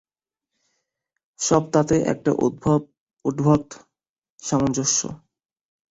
সব তাতেই একটা উদ্ভট সামঞ্জস্য।